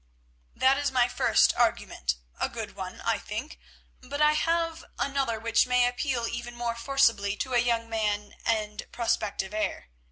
"That is my first argument, a good one, I think, but I have—another which may appeal even more forcibly to a young man and prospective heir.